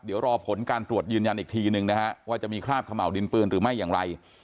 เดี๋ยวรอผลการตรวจยืนยันอีกทีนึงนะฮะว่าจะมีคราบขม่าวดินปืนหรือไม่อย่างไร